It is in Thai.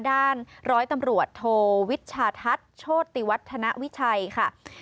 ด้านร้อยตำรวจโทวิชาทัศน์โชติวัฒนวิชัยค่ะ